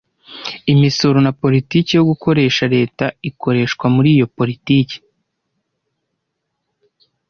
Imisoro na politiki yo gukoresha leta ikoreshwa muri iyo politiki